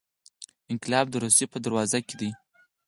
انقلاب د روسیې په دروازو کې دی.